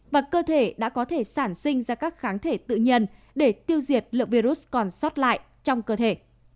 và cơ thể đã có thể sản sinh ra các kháng thể tự nhiên để tiêu diệt lượng virus còn sót lại trong cơ thể